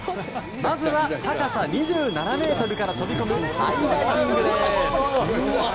まずは高さ２７ｍから飛び込むハイダイビングです。